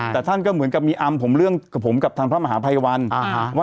แต่ท่านก็เหมือนกับมีอำ